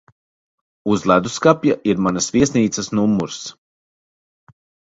Uz ledusskapja ir manas viesnīcas numurs.